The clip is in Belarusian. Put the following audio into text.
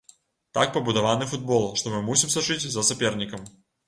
Так пабудаваны футбол, што мы мусім сачыць за сапернікам.